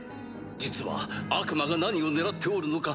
実は悪魔が何を狙っておるのか